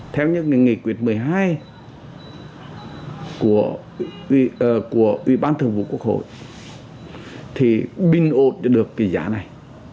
theo những nghị quyết một mươi hai của ubthqh thì bình ổn được cái giá này